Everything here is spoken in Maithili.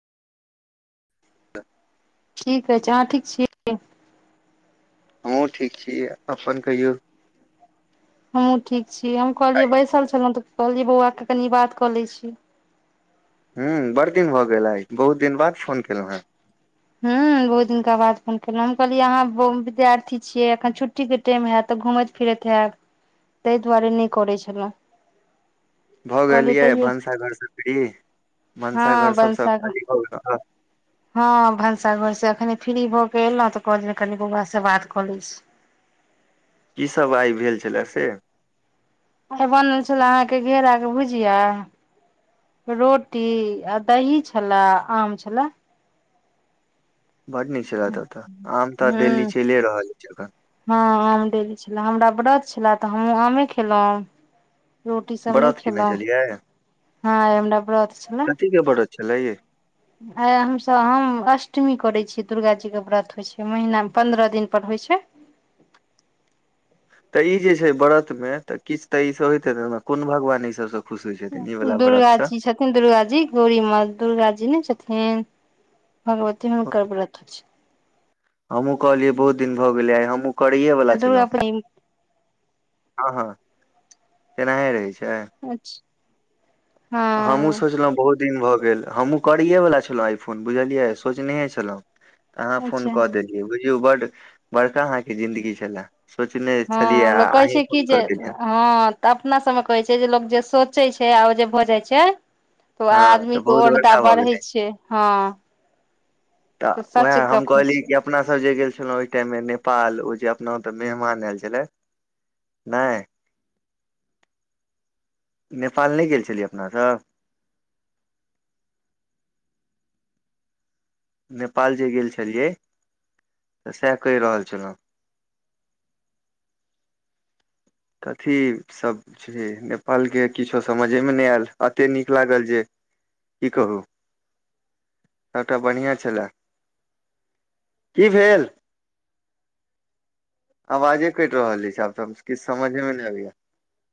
ठीक अछि, अहां ठीक छी? हमहुं ठीक छी, अपन कहियौ। हमहुं ठीक छी, हम कहलियै बैसल छलहुं त कहलियै बौआके कनि बात क लै छी। ह्म्म बड़ दिन भऽ गेल, आय बहुत दिन बाद फोन केलौ हय। ह्म्म बहुत दिनका बाद फोन केलौ, हम कहलियै अहाँ बो विद्यार्थी छियै एखन छुट्टी के टेम हाएत तऽ घूमैत-फिरैत हाएब तै दुआरे नै करै छलौ। भऽ गेलयै भनसा घर से फ्री, हँ भनसा घर सब से खाली भ गेला। हाँ भनसा घर से एखने फ्री भऽ कऽ अयलौ तऽ कहलौ कनि बौअवा से बात कऽ लै छी। की सब आय भेल छला से। आइ बनल छले अहांके घेराके भुजिया, रोटी आ दही छले, आम छले। बड नीक छले त, आम त डेली हूँ चलिये रहल अछि एखन। ने हमरा व्रत छले त हमहुं आमे खेलहुं। रोटी सब नहि व्रत केने खेलहुं, छलियै हां आइ हमरा व्रत छले। चलैये। आइ हमसब हम अष्टमी करै छियै दुर्गाजीके व्रत होइ छै। महीनामे पन्द्रह दिनपर होइ छै। त इ जे छै व्रत मे, त किछु ते इ सब होइत हेतै ने, कोन भगवान इ सब सब दुर्गा जी छथिन दुर्गा जी, गौरी मां दुर्गा जी नै छथिन। हुं। भगवती में हुनकर व्रत होइ छै। हमहुं कहलियै बहुत दिन भ गेलै, आइ हमहुं करैए वला छै दुर्गा छलहुं, प्रेम अहां तेनाहे रहै छै। अच्छा। हमहुं हँ सोचलहुं बहुत दिन भ गेल, हमहुं करैएवला छलहुं आइ फोन, बुझलियै सोचनैहे छलहुं। त अहां फोन अच्छा क देलियै, बु ओ बड बड़का अहांके जिन्दगी छले। हां, कहै छै जे कि जे, देलियनि हां, त अपना सबमे कहै छै जे लोक जे सो चै छै आ ओ जे भ जाइ छै त हँ आदमीे तऽ के बहुत औरदा बड़का भऽ बढ़ै गेलै छै, हां तऽ त सच गप होइ छै। छलहुं ओहि टाइम मे नेपाल, ओ जे अपना ओत मेहमान आयल छलै, नै नेपाल नै गेल छलियै अपना सब? नेपाल जे गेल छलियै त सएह कहि रहल छलहुं। त ठीक सब छै, नेपालके किछो समझेमे नै आयल, एतेक नीक लागल जे की कहु, सभटा बढ़िया छले। की भेल? आवाजे कटि रहल अछि छै, आब त किछु समझेमे नहि अबैये।